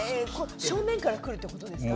正面から来るってことですか？